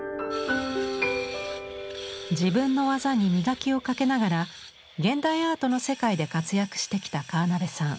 自分の技に磨きをかけながら現代アートの世界で活躍してきた川邉さん。